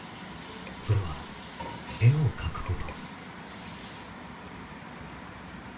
それは絵を描くこと。